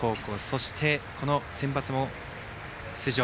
そして、このセンバツも出場。